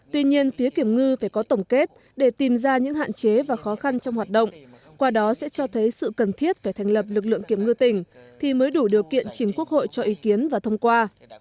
tuy nhiên phía kiểm ngư phải có tổng kết để tìm ra những hạn chế và khó khăn trong hoạt động qua đó sẽ cho thấy sự cần thiết phải thành lập lực lượng kiểm ngư tỉnh thì mới đủ điều kiện chính quốc hội cho ý kiến và thông qua